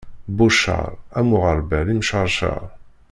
Bu cceṛ am uɣerbal imceṛceṛ.